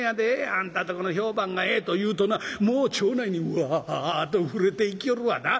あんたんとこの評判がええと言うとなもう町内にわっと触れていきよるわな。